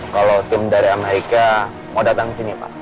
kalau tim dari amerika mau datang ke sini pak